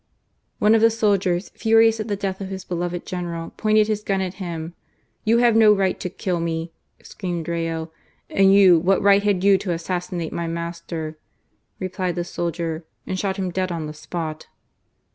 One of the soldiers, furious at the death of his beloved general, pointed his gun at him. " You have no right to kill me !" screamed Rayo. " And you, what right had you to assassinate my master ?" replied the soldier, and shot him dead on the spot.